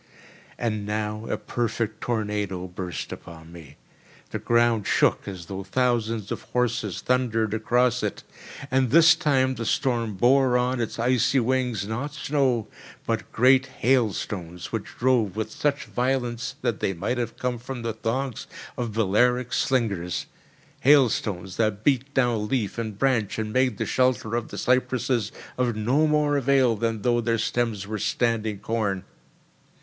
And now a perfect tornado burst upon me. The ground shook as though thousands of horses thundered across it; and this time the storm bore on its icy wings, not snow, but great hailstones which drove with such violence that they might have come from the thongs of Balearic slingers—hailstones that beat down leaf and branch and made the shelter of the cypresses of no more avail than though their stems were standing corn.